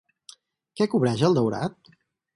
Què cobreix el daurat?